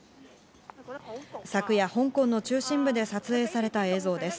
昨夜、香港の中心部で撮影された映像です。